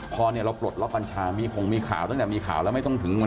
พอเนี่ยเราปลดล็อกกัญชามีคงมีข่าวตั้งแต่มีข่าวแล้วไม่ต้องถึง